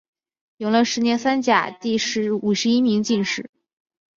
永乐十年三甲第五十一名进士。